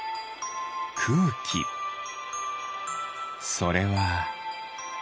それは。